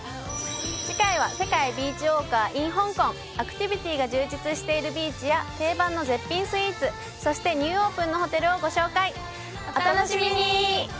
次回は世界ビーチウォーカーｉｎ香港アクティビティが充実しているビーチや定番の絶品スイーツそしてニューオープンのホテルをご紹介お楽しみに！